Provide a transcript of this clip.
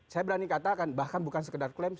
saya berani katakan bahkan bukan sekedar klaim